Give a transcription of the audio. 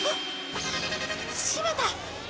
しめた！